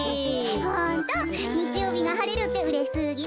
ホントにちようびがはれるってうれしすぎる。